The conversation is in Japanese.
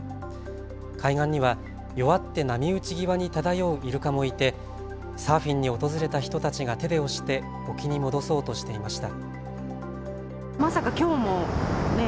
海岸には弱って波打ち際に漂うイルカもいてサーフィンに訪れた人たちが手で押して沖に戻そうとしていました。